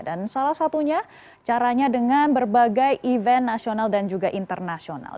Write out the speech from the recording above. dan salah satunya caranya dengan berbagai event nasional dan juga internasional